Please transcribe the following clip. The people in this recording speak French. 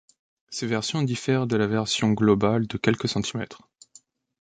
Ces versions diffèrent de la version globale de quelques centimètres.